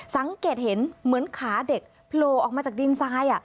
สังเกตเห็นเหมือนขาเด็กโผล่ออกมาจากดินทราย